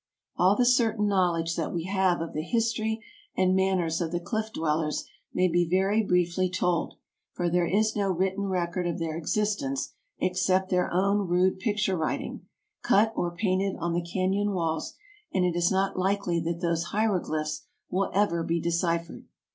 All the certain knowledge that we have of the history and manners of the Cliff dwellers may be very briefly told, for there is no written record of their existence except their own rude picture writing, cut or painted on the canon walls, and it is not likely that those hieroglyphics will ever be de ciphered.